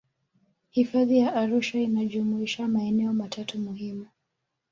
hifadhi ya arusha inajumuisha maeneo matatu muhimu